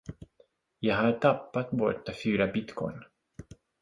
Jag har tappat borta fyra bitcoin.